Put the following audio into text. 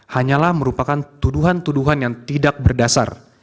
hanyalah merupakan tuduhan tuduhan yang tidak berdasar